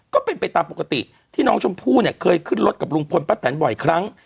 ก็เป็นไปตามปกติที่น้องชมพู่เนี่ยเคยขึ้นรถกับลุงพลป้าแตนบ่อยครั้ง